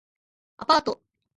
アパート